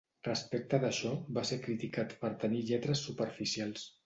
Respecte d'això, va ser criticat per tenir lletres superficials.